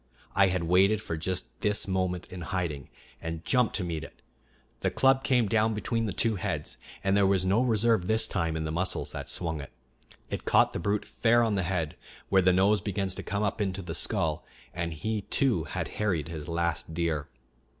I had waited for just this moment in hiding, and jumped to meet it. The club came down between the two heads; and there was no reserve this time in the muscles that swung it. It caught the brute fair on the head, where the nose begins to come up into the skull, and he too had harried his last deer.